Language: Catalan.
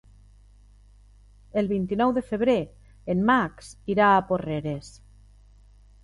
El vint-i-nou de febrer en Max irà a Porreres.